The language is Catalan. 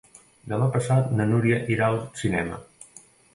Demà passat na Núria irà al cinema.